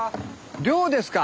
漁ですか？